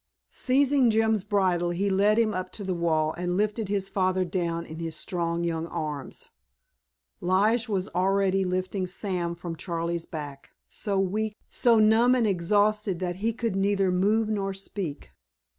Seizing Jim's bridle he led him up to the wall and lifted his father down in his strong young arms. Lige was already lifting Sam from Charley's back, so weak, so numb and exhausted that he could neither move nor speak.